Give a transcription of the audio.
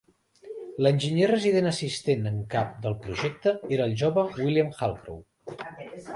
L'enginyer resident assistent en cap del projecte era el jove William Halcrow.